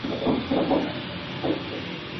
达达主义和超现实主义也能走进电影院。